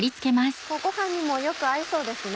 ご飯にもよく合いそうですね。